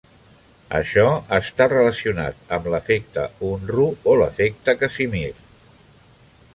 Això està relacionat amb l'efecte Unruh o l'efecte Casimir.